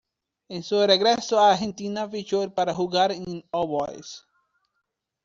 En su regreso a Argentina fichó para jugar en All Boys.